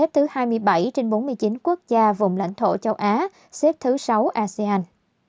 thứ hai mươi bảy trên bốn mươi chín quốc gia vùng lãnh thổ châu á xếp thứ sáu asean